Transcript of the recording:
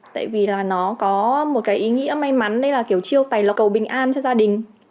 tại vì nó có một ý nghĩa may mắn đây là kiểu chiêu tài lộ cầu bình an cho gia đình